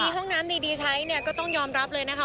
มีห้องน้ำดีใช้ก็ต้องยอมรับเลยนะคะ